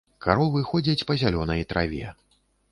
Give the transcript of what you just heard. Каровы ходзяць па зялёнай траве.